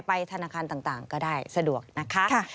ธนาคารต่างก็ได้สะดวกนะคะ